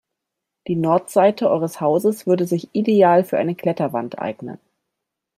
Die Nordseite eures Hauses würde sich ideal für eine Kletterwand eignen.